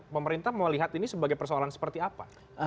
pemerintah mau lihat ini sebagai persoalan seperti apa